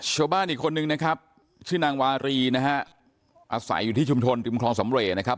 ชาวบ้านอีกคนนึงนะครับชื่อนางวารีนะฮะอาศัยอยู่ที่ชุมชนริมคลองสำเรย์นะครับ